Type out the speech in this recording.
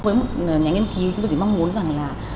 với một nhà nghiên cứu chúng tôi chỉ mong muốn rằng là